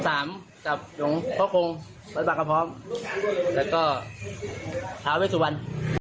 สามจับหยุดคุณพ่อคงไปปรากภพแล้วก็ขาวเวทสุวรรณ